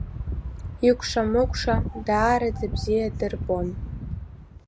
Икәша-мыкәша даараӡа бзиа дырбон.